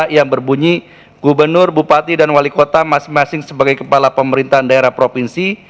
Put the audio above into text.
yang berbunyi gubernur bupati dan wali kota masing masing sebagai kepala pemerintahan daerah provinsi